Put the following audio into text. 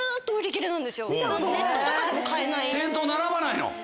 店頭並ばないの？